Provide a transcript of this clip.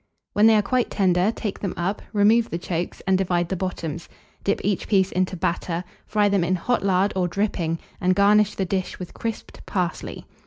When they are quite tender, take them up, remove the chokes, and divide the bottoms; dip each piece into batter, fry them in hot lard or dripping, and garnish the dish with crisped parsley.